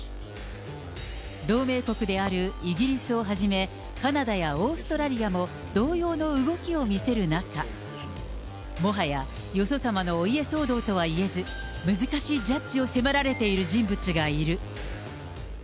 同盟国であるイギリスをはじめ、カナダやオーストラリアも、同様の動きを見せる中、もはやよそ様のお家騒動とはいえず、難しいジャッジを迫られている人物がいる。